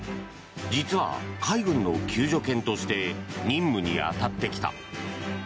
実は海軍の救助犬として任務に当たってきた。